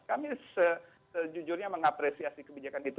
kami sejujurnya mengapresiasi kebijakan itu